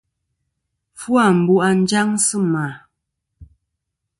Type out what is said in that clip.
Fu ambu' à njaŋ sɨ mà.